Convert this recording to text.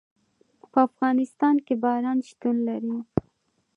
په افغانستان کې باران شتون لري.